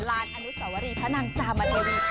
ลานอนุสวรีธนังจามเทวิต